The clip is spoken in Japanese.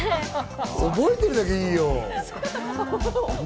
覚えてるだけいいよ。